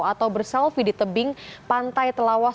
atau berselfie di tebing pantai telawas